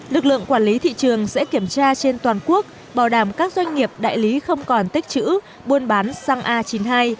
lực lượng quản lý thị trường sẽ kiểm tra trên toàn quốc bảo đảm các doanh nghiệp đại lý không còn tích chữ buôn bán xăng a chín mươi hai